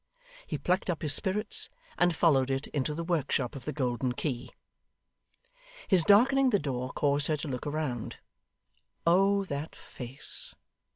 He plucked up his spirits, and followed it into the workshop of the Golden Key. His darkening the door caused her to look round. Oh that face!